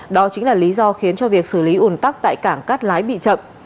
đó chính là lý do khiến cho việc xử lý ủn tắc tại cảng cát lái bị chậm